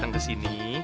sampai di sini